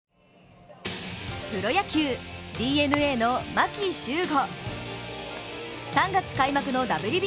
プロ野球、ＤｅＮＡの牧秀悟。